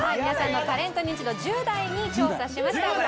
皆さんのタレントニンチド１０代に調査しました。